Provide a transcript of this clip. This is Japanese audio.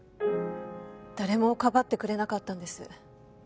誰も庇ってくれなかったんです